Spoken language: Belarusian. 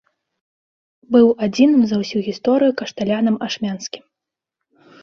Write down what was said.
Быў адзіным за ўсю гісторыю кашталянам ашмянскім.